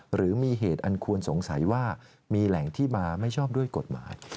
หรือมีเหตุอันควรสงสัยว่ามีแหล่งที่มาไม่ชอบด้วยกฎหมาย